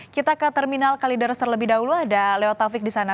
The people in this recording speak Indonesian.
kita ke terminal kalideras terlebih dahulu ada leo taufik di sana